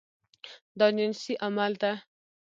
دا جنسي عمل ده.